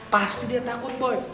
pasti dia takut boy